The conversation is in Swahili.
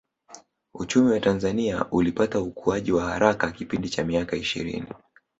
Uchumi wa Tanzania ulipata ukuaji wa haraka kipindi cha miaka ishirini